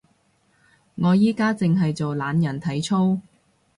我而家淨係做懶人體操